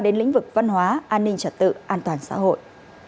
đến lĩnh vực văn hóa an ninh trật tự an toàn xã hội